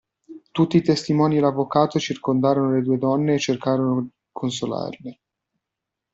Tutti i testimoni e l'avvocato circondarono le due donne e cercarono consolarle.